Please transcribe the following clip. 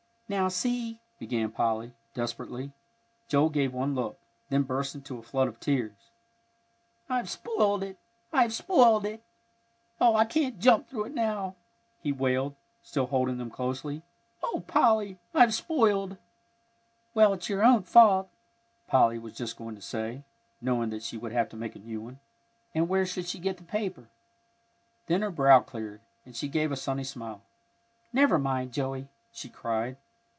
"Now, see," began Polly, desperately. Joel gave one look, then burst into a flood of tears. "I've spoiled it! I've spoiled it! Oh, I can't jump through it now!" he wailed, still holding them closely. "Oh, Polly, I've spoiled " "Well, it's your own fault!" Polly was just going to say, knowing that she would have to make a new one, and where should she get the paper! Then her brow cleared, and she gave a sunny smile. "Never mind, Joey!" she cried.